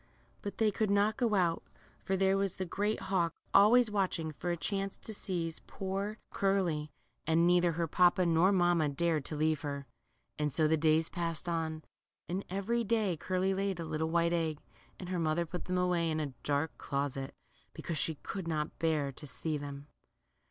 But they could not go out, for there was the great hawk always watching for a chance to seize poor 132 LITTLE CURLY. Curly ^ and neither her papa nor mamma dared to leave her. And so the days passed on, and every day Curly laid a little white egg, and her mother put them away in a dark closet, because she could not bear to see them.